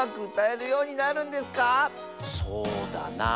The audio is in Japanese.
そうだなあ。